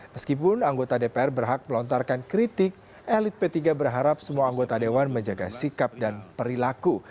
meskipun anggota dpr berhak melontarkan kritik elit p tiga berharap semua anggota dewan menjaga sikap dan perilaku